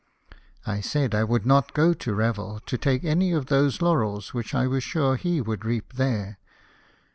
I said I would not go to Revel, to take any of those laurels which I was sure he would reap there.